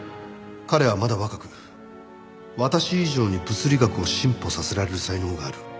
「彼はまだ若く私以上に物理学を進歩させられる才能がある」